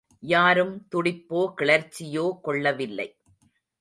யாரும் துடிப்போ, கிளர்ச்சியோ கொள்ளவில்லை.